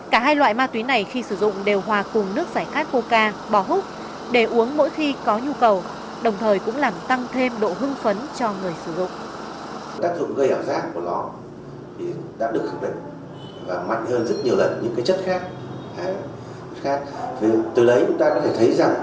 cả hai loại ma túy này khi sử dụng đều hòa cùng nước giải khát poca bò húc để uống mỗi khi có nhu cầu đồng thời cũng làm tăng thêm độ hưng phấn cho người sử dụng